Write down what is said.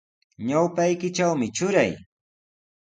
Ñawpaykitrawmi truray.